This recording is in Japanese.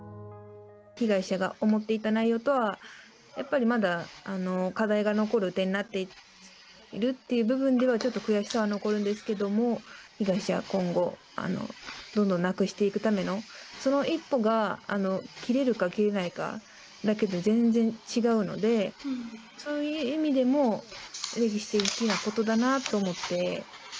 被害者が思っていた内容とは、やっぱりまだ課題が残る点になっているっていう部分ではちょっと悔しさは残るんですけれども、被害者を今後、どんどんなくしていくための、その一歩が切れるか切れないかだけで全然違うので、そういう意味でも、歴史的なことだなと思って。